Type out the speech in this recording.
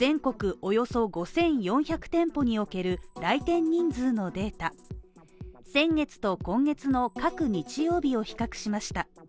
およそ５４００店舗における来店人数のデータ先月と今月の各日曜日を比較しました